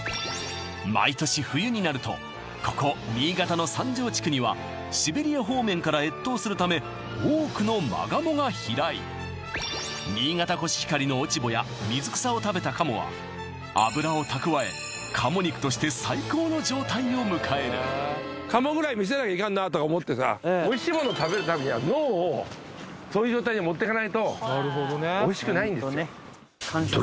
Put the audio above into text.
毎年冬になるとここ新潟の三条地区にはシベリア方面から越冬するため多くの真鴨が飛来新潟コシヒカリの落ち穂や水草を食べた鴨は脂を蓄え鴨肉として最高の状態を迎える鴨ぐらい見せなきゃいかんなあとか思ってさおいしいものを食べるためには脳をそういう状態に持ってかないとおいしくないんですよ